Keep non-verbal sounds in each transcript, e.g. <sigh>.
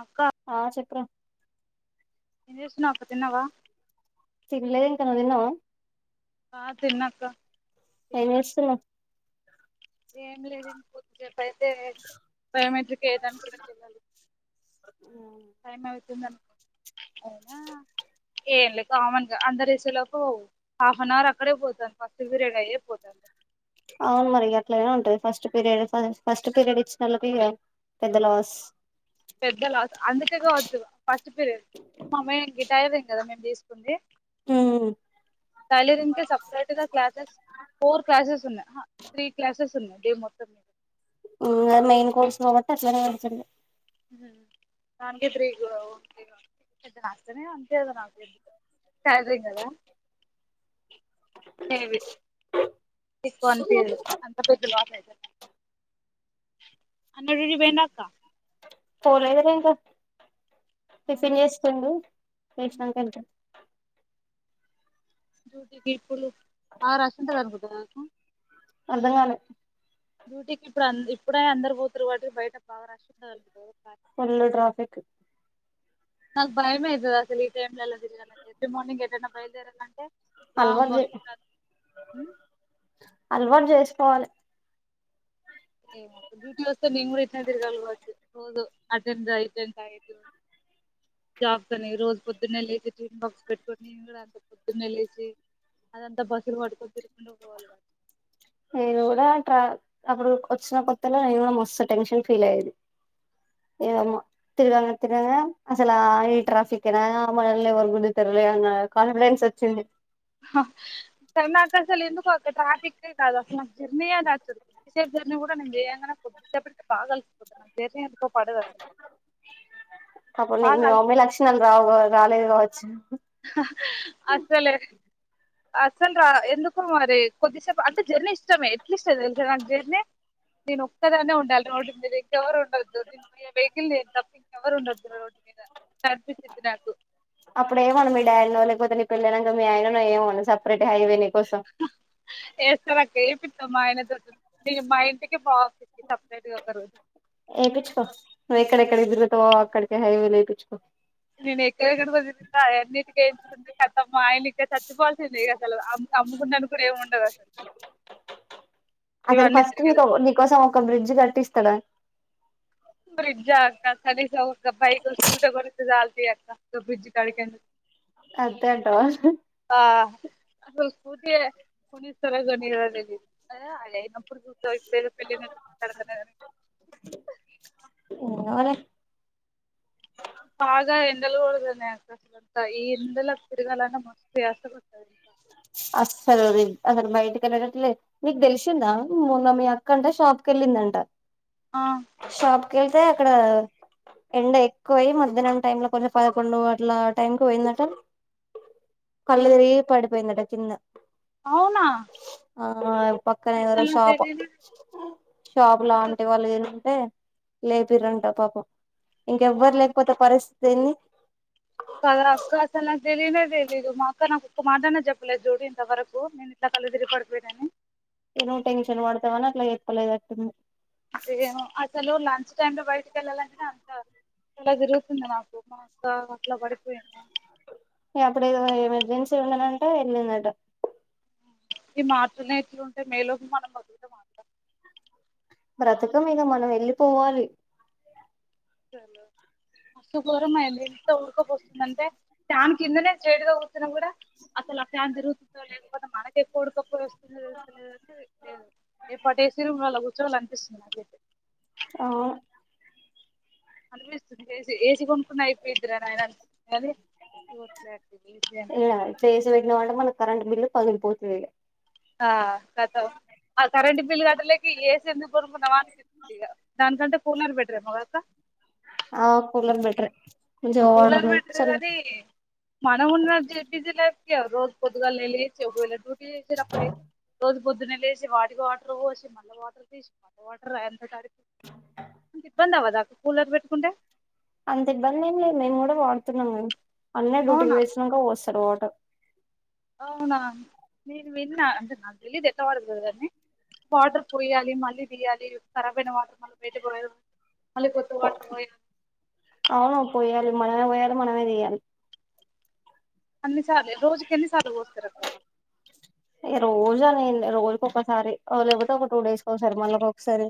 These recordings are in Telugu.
అక్క ఆ చెప్పారా ఏం చేస్తునావ్ అక్క తిన్నావా తినలేదు ఇంకా నువ్వు తిన్నావా అ తన్నాక ఏం చేస్తునావ్ ఏం లేదు ఇంకో సేపు అయితే బయోమెట్రిక్ వయడాానికికళ్ళాలి టైమ్ అవుతుంది అవునా ఏంలే కామన్ గా అందరిసేలోపు హాఫ్ అన్ అవర్ అక్కడే పోతుది ఫస్ట్ పీరియడ్ అయ్య పోతుంది అవును మరి అట్లయినా ఉంటది ఫస్ట్ పీరియడ్ ఫస్ట్ పీరియడ్ ఇచ్చిన వాళ్ళకి పెద్ద లోస్ పెద్దలు అందుకే కావచ్చు ఫస్ట్ పీరియడ్ మా మేడమ్ గిటైర్ ఏం కదా మేము తీసుకుడి ఉమ్ టైలరింగ్ కి సెపరేట్ గా క్లాసెస్ ఫోర్ క్లాసెస్ ఉన్నాయి త్రీ క్లాసెస్ ఉన్నాయి డే మొత్తం మీద మెయిన్ కోర్స్ కాబట్టి అట్నే ఉంటది దానికీ త్రీ <inaudible> <unintelligible> టైలరింగ్ కదా <inaudible> ఎకుని అంత పెద్ద లాస్ అయితుంది <inaudible> అన్న డ్యూటీ పోయిండా అక్క పోలేదు రా ఇంకా టిఫిన్ చేసుకోండి చేసినక వెళ్తాడు జూటి గపులు బాగా రాసింటది అనుకుంటా నాకు అర్థం కాలే డ్యూటీకి ఇప్పుడు ఇప్పుడ అందరు పోతారు కాబటి బయట బా రష్ ఉంటది ఫుల్ ట్రాఫిక్ నాక భయం అవుతుంది అసలు ఈ టైమ్ లో ఎలా తిరగాలంటే ఎవ్రీ మార్నింగ్ ఎదైనా బయలుదేరాలంటే అలవాటు వామ్మో చేయి ఇప్పుడు అలవాటు చేసుకోవాలి ఏ డ్యూటీ వస్తా నేను కూడా ఇట్లే తిరగాలి కవచ <inaudible> ఆ జాబ్స్ అనే రోజు పొద్దున్నె లేసి టిఫిన్ బాక్స్ పెట్టుకొని కూడా అంత పొద్దున్నే లేచసి అదంతా బస్సు పట్టుకొని తిరుకుంట పోవాలా నేను కూడా ట్రా అప్పుడు వచ్చిన కొత్తలో నేను కూడా మస్తు టెన్షన్ ఫీల్ అయ్యేది ఏమో తివాంగా తివాంగా అసలు ఆఐ టఫిక్మ ఆ మనల్ని ఎవరు గుంజుతారు అనే కాన్ఫిడెన్స్ వచ్చింది హా నాకు అస్సలు ఎందుకో ట్రాఫిక్ కే కాదు అసలు జర్నీ నచ్చదు <inaudible> అసలు పాపం నీకు బాగా మీ అలి అమ్మాయి లక్షణాలు రావు రాలేదు కావచ్చు హా హ్ అసలే అసలు రా ఎందుకు మరి కొద్దిసేపు అంటే జర్నీ ఇష్టమే ఎట్లీష్టం తెలుసా నాకు జర్నీ నేను ఒక్కదన్నే ఉండాలి రోడ్డు మీద ఇంకెవరు ఉండొద్దు వెహికల్ నేను తప్ప ఇంకెవరు ఉండొద్దు రోడ్డు మీద అన్పించ్చింది నాకు అప్పుడు ఏయమను మీ డాడి నో లేకపోతే నీ పెళ్ళైనంక మీ ఆయనానో ఏయమను సపరేట్ హైవే నీ కోసం హ్ హా ఏస్తాడక్క ఎపిచ్చు మా ఆయన దోని చెప్తే ఇగ మా ఇంటికి బాట సపరేట్ గా ఒక రోజు ఏపించ్చుకో నువ్వు ఎక్కడెక్కడ తిరుగుతావో అక్కడికి హైవే లు ఏపిచ్చుకో నేను ఎక్కడెక్కడకి తిరిగితే అవన్నీటికి ఏయించుకొంటే కతమ్ మా ఆయన ఇంకా చచ్చిపోవాల్సిందే ఇగ అలా అంత అమ్ముకున్నాడు అసలు ఇవన్నీ ఫస్ట్ తిరిగేద నీకు నీకోసం ఒక బ్రిడ్జ్ కట్టిస్తాడంట బ్రిడ్జ్ ఆ అక్క కనీసం ఒక బైక్ స్కూటర్ కొనిత్తే చాలు తీయక్క గా బ్రిడ్జ్ కాడికెందుకు అంతే అంటావా ఆ అసలు స్కూటీ యే కొణిత్తలేదు గానీ ఆప్పుడు చూద్దాం లే బైక్ పైన పెళ్ళి దాకా ఉండాలి కదా ఆ ఏం కావాలె బాగా ఎండలు కొడుతున్నాయి అక్క అంత ఈ ఎండలకు తిరుగాలన్నా మస్తు యాష్టకోస్తాంది అస్సలు అందరం బయటకెళ్ళటం లే నీకు తెలిసిందా మోన్న మీ అక్కంట షాప్ కెళ్ళిందంట ఆ కెళ్తే అక్కడ ఎండ ఎక్కువ అయ్యి మధ్యాహ్నం టైమ్ లో కొన్ని పదకొండు అట్ల టైంకి వెళ్ళటం కళ్లు తిరిగి పడిపోయిందట కింద అవునా ఆ పక్కనేవరో అసలు నాకు షాపు తెలీదు షాపులో అసలు ఆంటీ వాళ్ళు అంటే లేపిరంటా పాపం ఇంకెవ్వరు వామ్మో లేకపోతే పరిస్థితి ఏంది కదా అక్క అసలు నాకు తెలియనే తెలియదు మా అక్క నాకు ఒక్క మాటన్నా చెప్పలేదు చూడు ఇంతవరకు నేను ఇట్ల కళ్ళుతిరిగి పడిపోయినా అని ఇగ టెన్షన్ పడుతావని అట్ల చెప్పలేనట్టుంది అసలు లంచ్ టైమ్ లో బయటికి వెళ్ళాలంటనే అంత తల తిరుగుతుంది నాకు మా అక్క అట్లా పడిపోయిందా ఇగ అప్పుడు ఎమర్జెన్సీ ఉండనంటే వెళ్ళిందట ఈ మార్చుల్నే ఇట్లు ఉంటే మేలోకి మనం ఎట్లుంటామో ఏమో బ్రతకలేము మనం వెళ్ళిపోవాలి చలో ఫస్ట్ ఫ్లోర్ నే ఎంత ఊడకపోస్తుందంటే ఫ్యాన్ కిందనే స్ట్రేట్ గా కూర్చన్నా కూడా అసలు ఆ ఫ్యాన్ తిరుగుతుందో లేకపోతే మనకే ఉడుకపొస్తుందో అసలు తెలుస్త లేదు రేపటి ఏసీ రూమ్ లలో కూర్చోవాలనిపిస్తుంది నాకు అయితే అవును అనిపిస్తుంది ఏసి కొనుకున్నా అయిపోవురా నాయన అని ఇలా ఏసీ పెట్టినమంటే మన కరెంటు బిల్లు పగిలిపోతుంది ఇగ ఆ కతం ఆ కరెంట్ బిల్లు కట్టలేకి ఇగ ఏసీ ఎందుకు దాని కంటే కూలర్ బెటర్ ఏమో కదా అక్క ఆ కూలర్ బెటరే కూలర్ బెటర్ కాని మనం ఉన్న బ్యూసిలైఫ్ రోజు పొద్దుగాలనే నీళ్లు తెచ్చి ఒకవేళ డ్యూటీ చేసేటప్పుడు అయితే రోజు పొద్దున్నే లేసి వాటికి వాటర్ పోచి మళ్ళా వాటర్ తీసి మళ్ళా వాటర్ అది అంత తడిపి అంత ఇబ్బంది అవ్వదాఅక్క కూలర్ పెట్టుకుంటే అంత ఇబ్బంది ఏం లేదు మేము కూడా వాడుతున్నాము కదా అన్న డ్యూటీకి అవునా పోయిచ్చినాక పోస్ తడు వాటర్ అవునా నేను విన్న నాకు తెలీయద ఇట్ల వాడుతోరో గాని వాటర్ పోయాలి మళ్ళీ తీయాలి ఖరాబు అయినా వాటర్ మళ్ళ బయట పోయా పో అవును పోయాలి మనమే పోయాలి మనమే తీయాలి అన్నిసార్ల రోజుకెన్నిసార్లు పోస్తారక్క ఎ రోజు అనేం లే రోజుకు ఒకసారి లేకపోతే ఒక టూ డేస్కి ఒకసారి మళ్నకి ఒకసారి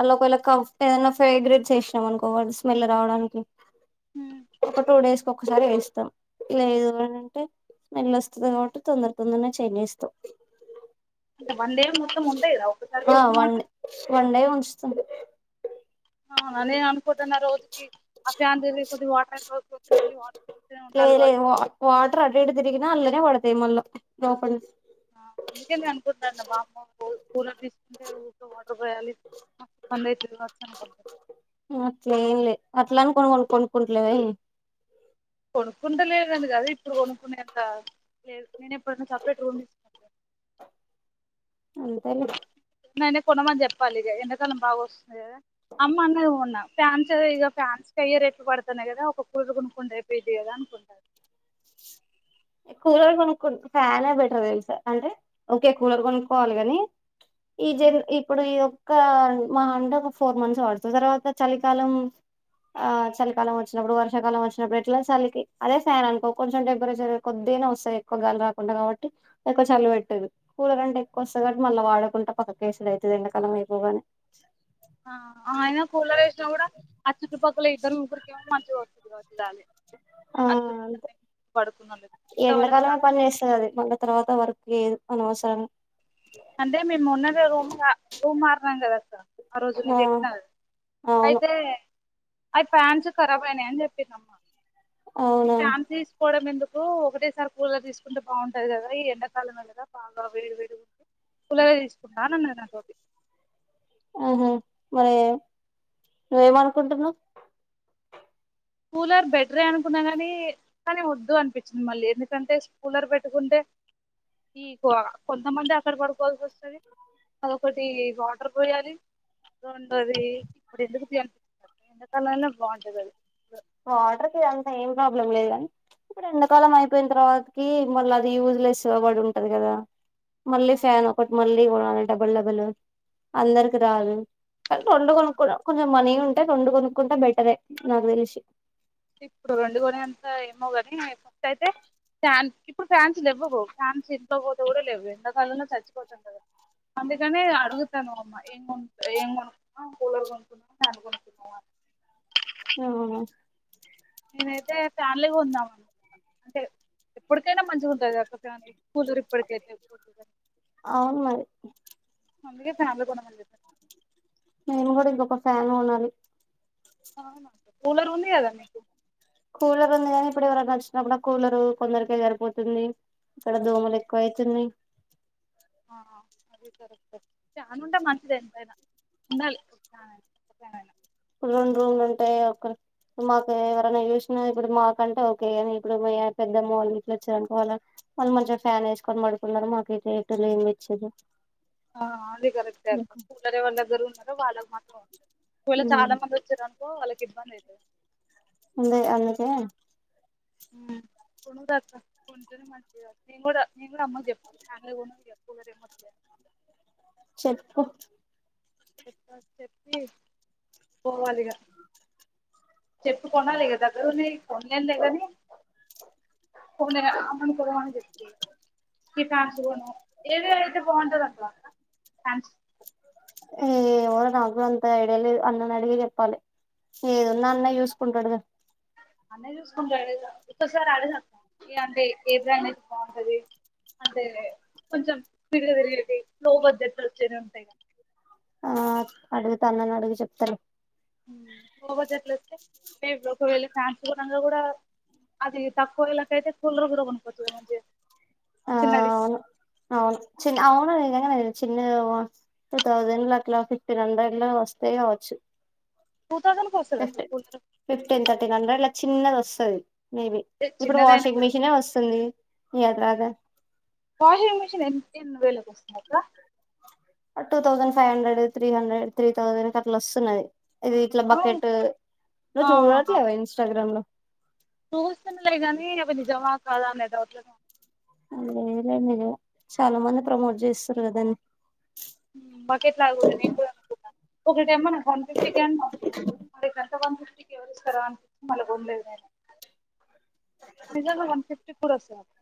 అలా ఒకవేళ కంఫర్ట్ ఏదైనా ఫ్రాగ్రాన్స్ ఎసినాం అనుకో స్మెల్ రావడానికి ఒక టూ డేస్ ఒకసారి వేస్ స్తాం లేదు అంటే స్మెల్ వస్తది కాబట్టి తొందర తొందరనే చేంజ్ చేస్తవ్ అంటే వన్ డే మొత్తం ఉంటాయి కదా ఒక్కసారి ఆ పోసిన one day water one day ఉంచుతాం అవునా నేను అనుకుంటున్న రోజుకి ఆ ఫ్యాన్ దిరిగే కొద్ది వాటర్ అయిపో లే లేమా వాటర్ అటు ఇటు తిరిగినా లే ఇట్నే పడతయ్ మళ్ళ లోపలికి అందుకే నేను అనుకుంటున్నా వామ్మో కూలర్ తీసుకుంటే <unintelligible> <unintelligible> అట్లేంలే అట్ల అని కొను కొనుకుంటలేవ కొనుక్కుంటలేదని కాదు ఇప్పుడు కొనుక్కునే అం త లేదు నేను ఇప్పుడున్న సపరేట్ రూమ్ తీసుకుంటే అంతేలే నేనే కొనమని చెప్పాలి ఇగ ఎండకాలం బాగా వస్తుంది కదా అమ్మ అనేది ఉన్నా ఫ్యాన్స్ ఇగ ఫ్యాన్స్ అయ్యే రేట్లు పడుతున్నాయి కదా ఒక కూలర్ కొనుకుంటే అయిపోయిద్ది కదా అనుకుంటార్ ఎక్కువ రోజులు కొనుక్కు ఫ్యాన్ బెటర్ తెలుసా అంటే ఓకే కూలర్ కొనుక్కోవాలి ని ఈ జన్ ఇప్పుడు ఇదో కాల్ మాహ అంటే ఒక ఫోర్ మంత్స్ వాడుతుంది తర్వాత చలికాలం ఆ చలికాలం వచ్చినప్పుడు వర్షాకాలం వచ్చినప్పుడు ఎట్లా సలికి అదే ఫ్యాన్ అనుకో కొంచెం టెంపరేచర్ కొద్దీగనే వస్తాయి ఎక్కువగాలి రాకుండా కాబట్టి ఎక్కువ చలి పెట్టదు కూలర్ అంటే ఎక్కువ వస్తది కాబ్బటి మళ్ళీ వాడకుం పక్క కేసుడయితే ఎండ కాలం అయిపోగానే ఆ ఆయన కూలర్ వేసినా కూడా ఆ చుట్టుపక్కల ఇద్దరు ముగ్గరికి ఏమో మంచిగా వస్త లాలీ ఆ చుట్టూ మంది పడు ఎండాకాలమే పని చేస్తదది అది మళ్ళ తర్వాత వర్క్ చేయదు అనవసరంగ్ అంటే మేము మొన్ననే రూమ్గా రూమ్ మారినం కదాస ఆ రోజు నేను చెప్పిన అవును అయితే ఆ ఫ్యాన్సు ఖరాబు అయినాయ్ అని చెపింది అమ్మ ఈ అవునా ఫాన్స్ తీసుకోవడం ఎందుకు ఒకటేసారి కూలర్ తీసుకుంటే బాగుంటది కదా ఈ ఎండాకాలం మీద బాగా వేడి వేడి ఉం కులర్ ఎ తీసుకుంటా అన్నది నాతోటి ఆహా మరి ఎం అనుకుంటున్నావ్ కూలర్ బెటరే అనుకున్నా కాని కానీ వద్దు అనిపించింది మళ్ళీ ఎందుకంటే కూలర్ పెట్టుకుంటే ఈ కో కొంతమంది అక్కడ పడుకోవాల్సి వస్తది అదిఒకటి వాటర్ పోయాలి రెండోది ఇప్పుడు ఎందుకు తీ అనిపింతాంది ఎండకాలంలో బాగుంటది అది వాటర్ కి అంత ఏం ప్రాబ్లం లేదు గాని ఇప్పుడు ఎండాకాలం అయిపోయిన తర్వాతకి మళ్ళ అది యూస్లెస్ గా పడి ఉంటది కదా ఆ, మళ్ళీ ఫ్యాన్ ఒకటి మళ్ళీ కొనాలి డబల్ డబల్ అందరికి రాదు కానీ రెండు కొనుక్కు కొంచెం మనీ ఉంటే రెండు కొనుక్కుంటే బెటరే నాకు తెలిసి ఇప్పుడు రెండు గోనే అంతా ఏమోగాని ఫస్ట్ అయితే ఫాన్స్ ఇప్పుడు ఫ్యాన్స్ లేవ్వవు ఫ్యాన్స్ ఇంట్లో పోతే కూడా లేవు ఎంతకాలంలో చచ్చిపోతరు కదా అందుకనే అడుగుతనవమ్మ ఏం కొను ఏం కొనుక్కున్నావ్ కూలర్ కొనుకున్నవా ఫ్యాన్ కొనుక్కున్నావా అని అవునా నేనైతే ఫ్యాన్లే కొందాం అనుకున్న అంటే ఎప్పటికైనా మంచిగుంటై గ వత్తాంది కూలర్ ఇప్పుటికైతే అవును మరి అందుకే ఫ్యాన్లు కొనమని చెప్పిన మేము గూడ ఇంకొక ఫ్యాన్ కొనాలి అవును అక్క కూలర్ ఉంది గదా మీకు కూలర్ ఉంది గనీ ఇప్పుడు ఎవరైనా వచ్చినప్పుడు ఆ కూలరూ కొందరికే సరిపోతుంది ఇక్కడ దోమలు ఎక్కువైతున్నయ్ అ అదీ కరెక్టే ఉండాలి ఒక ఫ్యానైనా రెండ్రూమ్లు ఉంటాయా అక్కడ మాకు ఎవరైనా చూసిన ఇపుడు మాకంటే ఓకే కానీ ఇప్పుడు మా పెద్దమ్మ వాళ్ళు గిట్ల వచ్చారానుకో వాళ్ళ వాళ్ళు మంచిగ ఫ్యానేసుకొని పడుకున్నరు మాకైతే ఎటు లేందిచ్చిరు ఆ అది కరెక్టె అక్క కూలరే వాళ్ళ దగ్గర ఉన్నారో వాళ్ళకు మాత్రం ఒకవెళ చాలా మంది ఒచ్చిరనుకో వాళ్ళకి ఇబ్బంది ఐతది ఉండే అందుకే కొను దాక్క ఉంటునే మంచిదది నేను గూడా నేన్ గూడా అమ్మక్ జెప్పాలి ఫ్యాన్లే కొన్న గా ఇగ కూలర్ ఎమొద్దే అని చెప్పు చెప్పాలి చెప్పి పోవాలిగ చెప్పు కొనాలి గదా దగ్గరున్నయ్ కొన్లేంలే గనీ కొనే అమ్మను కొనమన జెప్పిగ టి ఫ్యాన్స్ కూడా ఏదేధైతే బాగుంటదక్క ఫ్యాన్స్ ఏవో నాక్గూడ అంత ఐడియా లేదు అన్ననడిగి జెప్పాలె ఏదున్నా అన్న యూసుకుంటడుగ అన్న యూసుకుంటడు ఒక్కసారి అడుగక్క ఏ అంటే ఏది అనేది బాగుంటది అంటే కొంచెం స్పీడ్గ తిరిగేటియి స్లోగ జస్ట్ వచ్చేది ఉంటయి గా ఆ అడుగుత అన్ననడిగి చెప్తరు లో బడ్జెట్లొస్తే ఒకవేళ ఫ్యాన్స్ కొనంగ గుడా అది తక్కువ వెలకైతే కులర్ గూడ ఆవును అవును చిన్న ఆ <unintelligible> చిన్న టూ థౌజండ్ల అట్లా ఫిఫ్టీన్ హండ్రెడ్లా వస్తై కావచ్చు టూ థౌసండ్ కి వస్తది అక్క ఎఫ్టీన్ కూలర్ ఫిఫ్టీన్ థర్టీన్ హండ్రెడ్ల చిన్నదొస్తది మేబి ఇప్పుడు చిన్నదైనా వాషింగ్ కూడా మిషినే వస్తుంది ఇగ అది రాదా వాషింగ్ మిషిన్ ఎన్ ఎన్ని వేలకొస్థాదా two thousand five hundred three hundred three thousand కట్లొస్తున్నది ఇది ఇట్ల అవును బకెట్ నువ్ ఆహా చూడట్లేవా ఇన్స్టాగ్రామ్ లో చూస్తున్నలే గానీ అవి నిజమా కాదా అనే డౌట్లోనే లేరండిగ చాలా మంది ప్రమోట్ జేస్తురు కదండి ఉన్నా బకెట్ లాగా ఉంది నేను కూడా అనుకున్నా ఒకటేమో వన్ ఫిఫ్టీకే ఆన్ <unintelligible> త్త వన్ ఫిఫ్టీకి ఎవరిస్తారా అని మళ్ళ కొన్లేదులే ఆయనె నిజంగా వన్ ఫిఫ్ ఇప్పుడొస్సాంది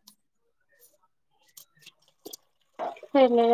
ఏంలే